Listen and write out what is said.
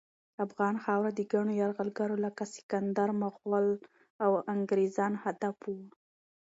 افغان خاوره د ګڼو یرغلګرو لکه سکندر، مغل، او انګریزانو هدف وه.